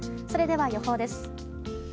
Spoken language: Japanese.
それでは予報です。